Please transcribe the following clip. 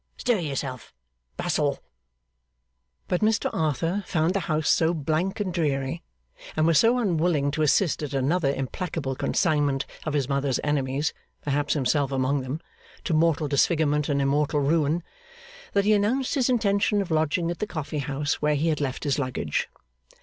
Stir yourself. Bustle.' But Mr Arthur found the house so blank and dreary, and was so unwilling to assist at another implacable consignment of his mother's enemies (perhaps himself among them) to mortal disfigurement and immortal ruin, that he announced his intention of lodging at the coffee house where he had left his luggage.